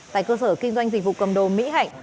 tại cơ sở kinh doanh dịch vụ cầm đồ mỹ hạnh